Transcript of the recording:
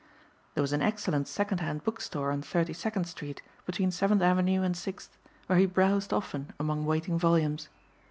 There was an excellent second hand book store on Thirty second street, between Seventh avenue and Sixth, where he browsed often among waiting volumes.